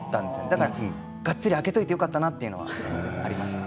だから、がっつり空けておいてよかったなというのはありました。